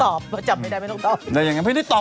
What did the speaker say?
ไม่ตอบเพราะจำไม่ได้ไม่ต้องตอบ